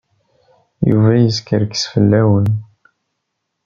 Yuba yeskerkes fell-awent.